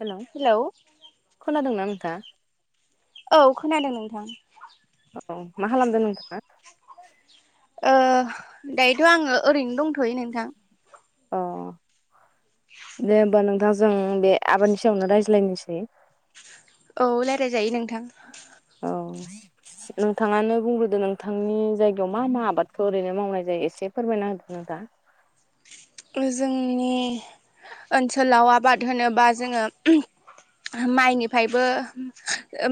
Hello खोनादों ना नोंथाङा? औ खोनादों नोंथां। औ मा खालामदों नोंथाङा? ओ दायोथ' आंङो ओरैनो दंथ'यो नोंथां। अ। दे होमबा नोंथां जों बे आबादनि सायावनो रायज्लायनोसै। औ रायलायजायो नोंथां। नोंथांङानो बुंग्रोदो नोंथांनि जायगायाव मा मा आबादखौ ओरैनो मावनाय जायो एसे फोरमायना होग्रो नोंथां। जोंनि ओनसोलाव आबाद होनोबा जोङो [unintelligible] माइनिफायबो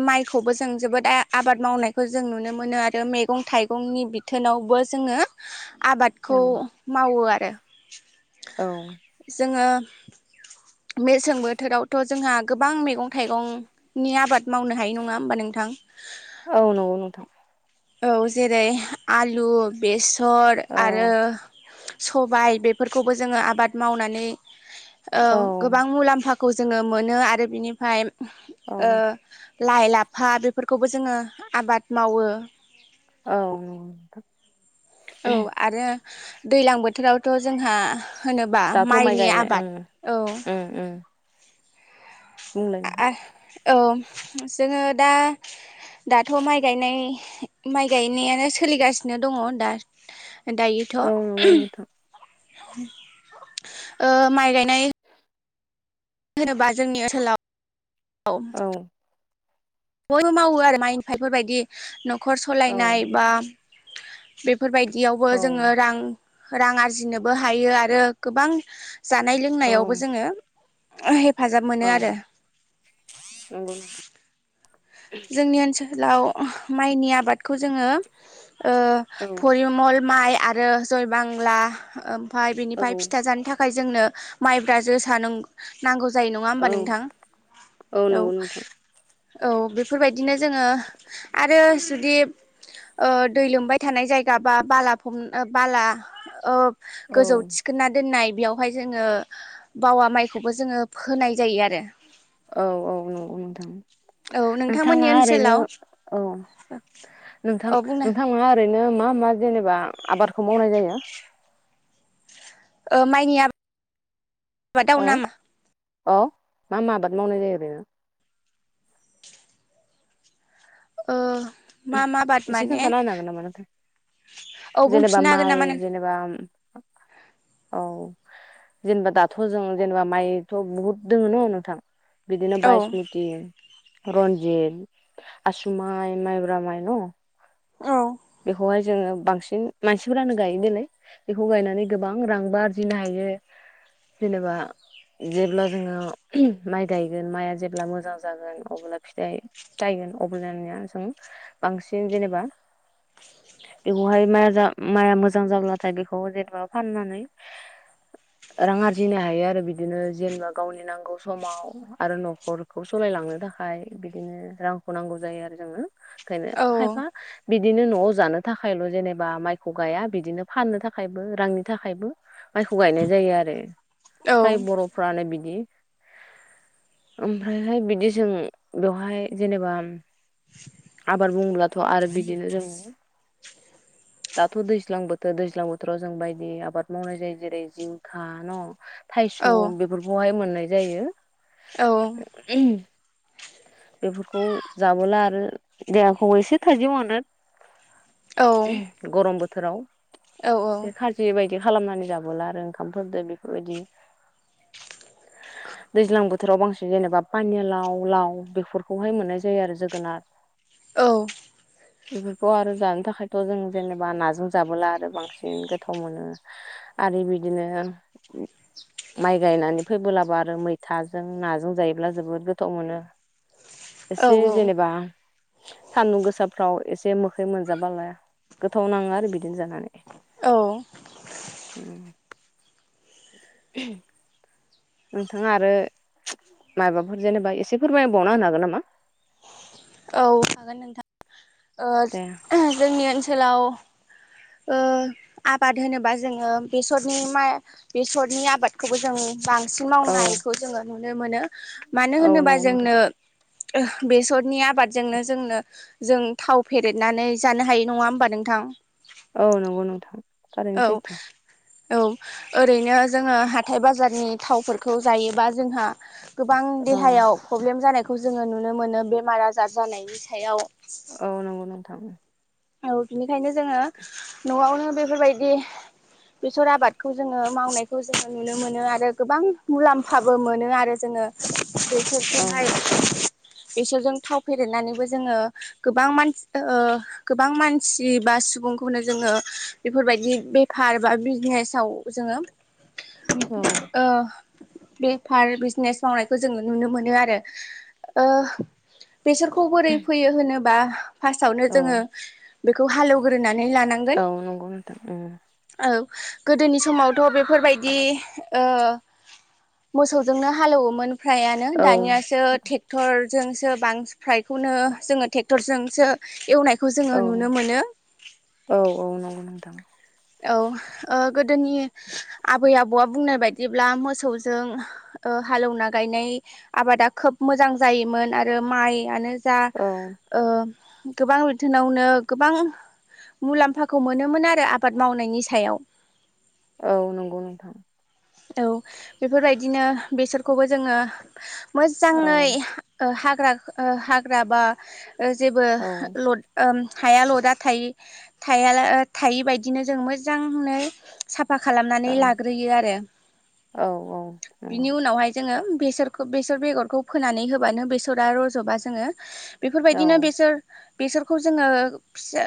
माइखौबो जों जोबोद आ-आबाद मावनायखौ जों नुनो मोन नो आरो मैगं थाइगंनि बिथोनावबो जोङो औ आबादखौ मावो आरो औ। जोङो मेसें बोथोरावथ' जोंहा गोबां मैगं थाइगंनि आबाद मावनो हायो नङा होमबा नोंथा थां। औ नंगौ नोंथां। औ जेरै आलु बेसर आरो औ सबाय बेफोरखौबो जोङो आबाद मावनानै ओ औ गोबां मुलाम्फा खौ जोङो मोनो आरो बिनिफाय औ ओ लाइ लाफा बेफोरखौबो जोङो आबाद मावो। औ नंगौ औ आरो दैलां बोथोरावथ' जोंहा होनोबा दाथ' माइ माइनि गायनाय ओं आबाद औ। ओं ओं बुंलाय नोंथां आ औ जोङो दा दाथ' माइ गायनाय माइ गायनायानो सोलिगासिनो दङ दा दायोथ' ओ औ नंगौ नोंथां माइ गायनाय मानो होनोबा जोंनि ओनसोलाव औ बयबो मावो आरो माइफाफोरबायदि न'खर औ सालायनाय बा बे फोरबायदियावबो औ जोङो रां रां आरजिनोबो हायो आरो गोबां जानाय लोंनायावबो जोङो हेफाजाब मोनो औ आरो नोंगौ जोंनि ओनसोलाव माइनि आबादखौ जोङो ओ नोंथां। औ फरिमल माइ आरो जयबांला ओम ओमफाय औ बिनिफ्राय फिथा जानो थाखाय जोंनो माइब्रा जोसा न नांगौ जायो नङा होमबा औ नोंथां? औ नंगौ नोंथां औ बे बेफोरबायदिनो जोङो आरो जुदि ओ दै लोमबाय थानाय जायगा बा बाला फब बाला ओ गोजौ औ थिखोना दोननाय बेयावहाय जोङो बावा माइखौबो जोङो फोनाय जायो आरो। औ औ नोंगौ नोंथां औ नोंथांमोननि नोंथाङा ओरैनो ओनसोलाव औ औ नोंथां बुंनो नोंथाङा ओरै ओरैनो मा मा जेनेबा आबादखौ मावनाय जायो? ओ माइनि आबाद माबादाव औ नामा? औ मा मा आबाद मावनाय जायो ओरैनो? ओ मा मा आबाद एसे माने खोनन्थाना होनो हागोन नामा नोंथां। औ जेनेबा बुंफिननो हागोन माइ नामा नों जेनेबा औ जेनेबा दाथ' जों जेनेबा माइथ' बहुद दोङ न' नोंथां? बिदिनो औ बायसमति रन्जित आसुमाइ माइ मइब्रा माइ न औ बेखौहाइ जो जोङो बांसिन मानसिफोरानो गायो नालाय बेखौ गायनानै गोबां रांबो आरजिनो हायो। जेनेबा जेब्ला जोङो माइ गायगोन माइआ जेब्ला मोजां जागोन अब्ला फिथाइ थाइ अब्लानि आ जों बांसिन जेनेबा बेखौहाय माइआ मोजां जाब्लाथाय बेखौ जेनेबा फाननानै रां आरजिनो हायो आरो बिदिनो जेनेबा गावनि नांगौ समाव आरो न'खरखौ सलाय लांनो थाखाय बिदिनो रांखौ नांगौ जायो आरो जोङो ओंखायनो औ खायफा बिदिनो न'आव जानो थाखायल' जेनेबा माइखौ गाया बिदिनो फाननो थाखायबो रांनि थाखायबो माइखौ गायनाय जायो आरो औ फ्राय बर'फ्रानो बिदि। ओमफ्रायहाय बिदि जों बेवहाय जेनेबा आबाद बुंब्लाथ' आरो बिदिनो जों दाथ' दैज्लां बोथोर दैज्लां बोथोराव जों बायदि आबाद मावनाय जायो जेरै जिंखा न' थायस' औ बेफोरखौहाय मोननाय जायो बेफोरखौ जाबोला आरो देहाखौबो एसे थजिम मोनो। औ। गरम बोथोराव औ एसे खाजि बायदि। बिदि खालामनानै जाबोला आरो ओंखामफोरजों बेफोरबायदि दैज्लां बोथोर। बोथोराव बांसिन जेनेबा पानिलाव लाव बेफोरखौहाय मोननाय जायो आरो जोगोनार। औ। बेफोरखौ आरो जानो थाखायथ जों। जेनेबा नाजों जाबोला आरो बांसिन गोथाव मोनो आरो बिदिनो। माइ गायनानै फैबोलाबो आरो मैथाजों नाजों जायोब्ला जोबोद गोथाव मोनो। एसे जेनेबा सान्दुं गोसाफ्राव एसे मोखै मोनजाबाला। गोथाव नांङो आरो बिदिनो जानानै। औ ओहो नोंथाङा आरो माबाफोर जेनेबा एसे फोरमायबावना होनो हागोन नामा? [inaudible] औ हागोन नोंथां ओ दे ओह जोंनि ओनसोलाव ओ आबाद होनोबा जोंङो बेसरनि मा बेसरनि आबादखौबो जों बांसिन औ मावनायखौ जोंङो नुनो मोनो। मानो औ होनोबा नंगौ नोंथां जोंनो अह बेसरनि आबादजोंनो जोंनो जों थाव फेरदनानै जानो हाय नङा होमबा नोंथां? औ नंगौ नोंथां औ थारैनो सैथो। औ ओरैनो जोंङो हाथाय बाजारनि थावफोरखौ जायोबा जोंहा गोबां औ देहायाव प्रब्लेम जानायखौ जोंङो नुनो मोनो बेमार आजार जानायनि सायाव। औ नंगौ नोंथां औ बिनिखायनो जोंङो नआवनो बेफोरबायदि बेसर आबादखौ जोंङो मावनायखौ जोंङो नुनो मोनो आरो गोबां मुलाम्फाबो मोनो आरो जों जोंङो औ बेसरखौहाय बेसरजों थाव फेदेरनानैबो जोंङो गोबां मानसि ओ गोबां मानसि बा सुबुंखौनो जोंङो बेफोरबायदि बेफार बा बिजिनेसाव जों हो औ ओ बेफार बिजिनेस मावनायखौ जोंङो नुनो मोनो आरो ओ बेसरखौ बोरै फैयो होनोबा फार्स्टावनो औ जोंङो बेखौ हालेवग्रोनानै लानांगोन औ नंगौ नोंथां उम औ। गोदोनि समावथ बेफोरबायदि ओ मोसौजोंनो हालौवोमोन फ्रायानो औ दानियासो ट्रेक्टर जोंसो बां फ्रायखौनो जोंङो ट्रेक्टर जोंसो एवनाय बे खौ जोंङो औ नुनो मोनो औ औ नंगौ नोंथां औ गोदोनि आबै आबौआ बुंनाय बायदिब्ला मोसौजों हालौवना गायनाय आबादा खोब मोजां जायोमोन आरो मायानो जा औ ओ गोबां बिथोनावनो गोबां मुलाम्फाखौ मोनोमोन आरो आबाद मावनायनि सायाव। औ नंगौ नोंथां। औ बेफोरबायदिनो बेसरखौबो जोंङो औ मोजांङै हाग्रा हाग्रा बा जेबो औ लद हाया लदा थायि-थाया ओ थायि बायदि बिदिनो जों मोजांङै साफा खालामनानै लाग्रोयो आरो औ औ नंगौ बिनि उनावहाय जोंङो बेसरखौ बेसर बेगरखौ फोनानै होबानो बेसरा रजबा जोंङो औ बेफोरबायदिनो बेसर बेसरखौ जोंङो फिसा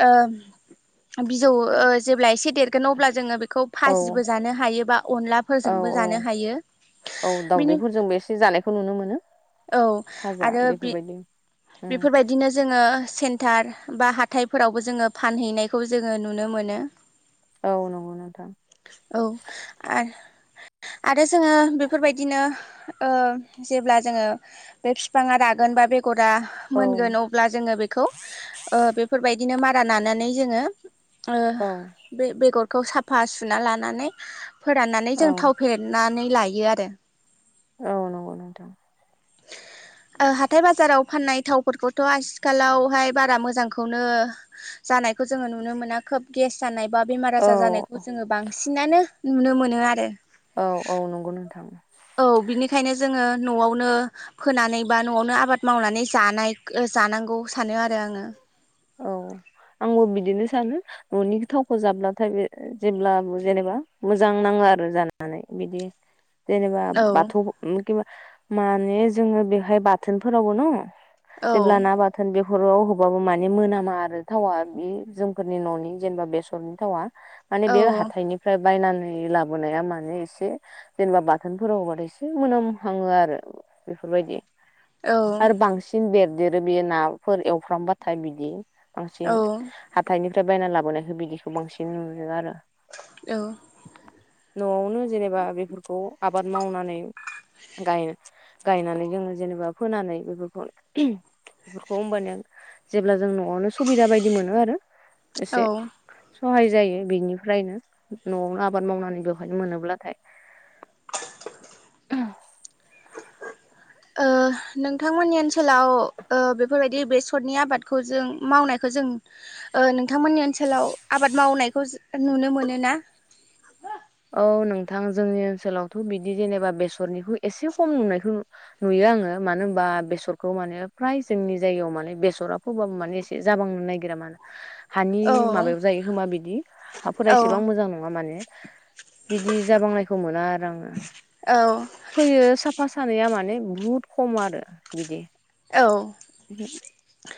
ओम बिजौ ओ जेब्ला एसे देरगोन अब्ला जोंङो बेखौ औ फाजिबो जानो हायो बा औ अनलाफोरजोंबो जानो हायो। औ बिनि दाउदैफोरजोंबो एसे जानायखौ नुनो मोनो। औ फाजा आरो बेफोरबायदि उम बे-बेफोरबायदिनो जोङो सेन्टार बा हाथायफोरावबो जोङो फानहैनायखौ जोङो नुनो मोनो। औ नंगौ नोंथां औ आरो [unintelligible] आरो जोङो बेफोरबायदिनो ओ जेब्ला जोङो बे बिफाङा रागोन बा बेगरा औ मोनगोन अब्ला जोङो बेखौ ओ बेफोरबायदिनो मारा नानानै जोङो ओ औ बे बेगरखौ साफा सुना लानानै फोराननानै औ जों थाव फेरेदनानै लायो आरो औ नंगौ नोंथां। ओ हाथाय बाजाराव फाननाय थावफोरखौथ' आथिखालावहाय बारा मोजांखौनो जानायखौ जो नुनो मोना खोब गेस जानाय बा बेमार औ आजार जानायखौ जोङो बांसिनानो नुनो मोनो आरो औ औ नंगौ नोंथां औ बिनिखायनो जोङो न'आवनो फोनानै बा न'आवनो आबाद मावनानै जानाय जानांगौ सानो आरो आङो औ आंबो बिदिनो सानो न'नि थावखौ जाब्लाथाय बे जेब्ला जेनेबा मोजां नाङा आरो जानानै बिदि जेनेबा आरो आङो औ बाथौ माने जोङो बेहाय बाथोनफोरावबो न औ जेब्ला ना बाथोन बेफोराव होबबाबो माने माने मोनामा आरो थावा बे जोंफोरनि न'नि जेनेबा बेसरनि थावा माने औ बेयो हाथाइनिफ्राय बायनानै लाबोनाया माने एसे जेनेबा बाथोनफोरावबथाय एसे मोनामहाङो आरो बेफोरबायदि आरो औ बांसिन बेरदेरो बेयो नाफोर एवफ्रामबाथाय बिदि बांसिन औ हाथथायनिफ्राय बायना लाबोनायखौ बिदिखौ बांसिन नुयो आरो औ न'आवनो जेनेबा बेफोरखौ आबाद मावनानै गाय गायनानै जोङो जेनेबा फोनानै बेफोरखौ बेफोरखौ होमबानया जेब्ला जों न'आवनो सुबिदा बायदि मोनो आरो एसे औ औ सहाय जायो बिनिफ्रायनो न'आवनो आबाद मावनानै बेवहायनो मोनोब्लाथाय [unintelligible] [unintelligible] ओ नोंथांमोननि ओनसोलाव ओ बेफोरबायदि बेसरनि आबादखौ जों मावनाय जों ओ नोंथांमोननि ओनसोलाव आबाद मावनायखौ नुनो मोनो ना औ नोंथां जोंनि ओनसोलावथ' बिदि जेनेबा बेसरनिखौ एसे खम नुनायखौ नुयो आङो मानो होनबा बेसरखौ माने फ्राय जोंनि जायगायाव माने बेसरा फोबाबो माने एसे जाबांनो नागिर रा हानि औ माबायाव जायो खोमा बिदि हाफोरा औ एसेबां मोजां नङा माने बिदि जाबांनायखौ मोना आरो आङो औ फैयो साफा सानैया माने बहुद खम आरो बिदि औ [unintelligible]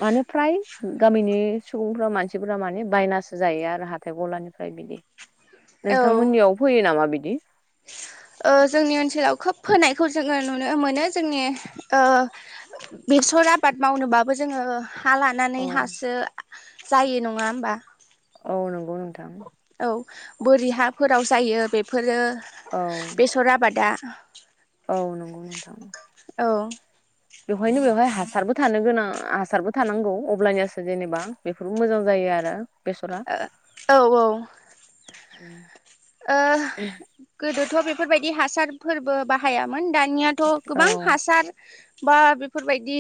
माने फ्राय गामिनि सुबुंफ्रा मानसि माने बायनासो जायो आरो हाथाय गलानिफ्राय बिदि औ नोंथांमोननियाव फैयो नामा बिदि बेखौ जोङो नुनो मोनो जोंनि ओ बेसर आबाद मावनोबाबो जोङो हा लानानै औ हासो जायो नङा होमबा औ नंगौ नोंथां औ बोरि हाफोराव जायो बेफोर औ बेसर आबादा औ नंगौ नोंथां औ बेवहायनो बेवहाय हासारबो थानो गोनां हासारबो थानांगौ अब्लानियासो जेनेबा बेफोरबो मोजां जायो [unintelligible] औ औ। उम। गोदोथ' बेफोरबायदि हासारफोरबो बाहायामोन। मोन दानियाथ' औ गोबां हासार बा बेफोरबायदि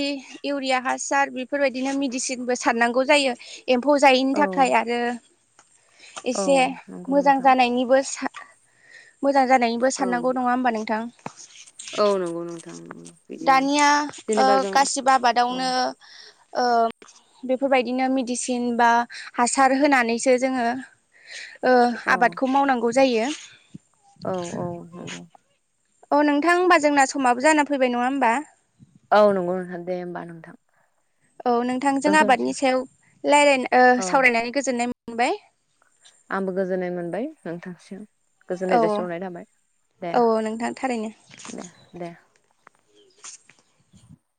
इउरिया हासार बेफोरबायदिनो मेडिसिनबो सारनांगौ जायो। एम्फौ जायैनि औ थाखाय आरो औ एसे नंगौ मोजां नोंथां जानायनि मोजां जानायनिबो औ साननांगौ नङा होमबा नोंथां। औ नंगौ नोंथां नंगौ बिदिनो दानिया जेनेबा जों गासिबो औ आबादावनो ओ बेफोरबायदिनो मिडिसिन बा हासार होनानैसो जोङो [inaudible] ओ औ आबादखौ मावनांगौ जायो। औ औ नंगौ। औ नोंथां होमबा जोंना समाबो जाना फैबाय, नङा होमबा? औ नंगौ नोंथां दे होनबा नोंथां। औ नोंथांजों दोनथ'नोसै आबादनि सायाव रायलाय ओ औ सावरायनानै गोजोननाय मोनबाय। आंबो गोजोननाय मोनबाय नोंथांसिम औ गोजोननाय जासिहरनाय थाबाय। दे औ औ नोंथां थारैनो दे दे। [inaudible]